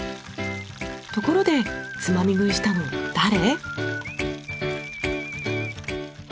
ところでつまみ食いしたの誰？